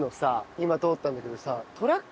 今通ったんだけどさ。